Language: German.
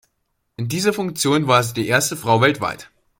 In dieser Funktion war sie die erste Frau weltweit.